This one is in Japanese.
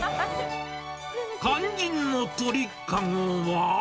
肝心の鳥かごは。